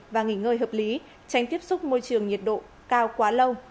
và nghỉ ngơi hợp lý tránh tiếp xúc môi trường nhiệt độ cao quá lâu